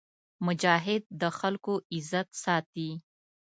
مجاهد د خلکو عزت ساتي.